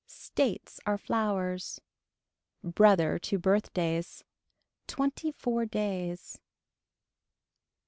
States are flowers. Brother to birthdays. Twenty four days.